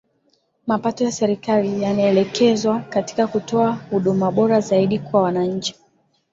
Mapato ya serikali yanaelekezwa katika kutoa huduma bora zaidi kwa wananchi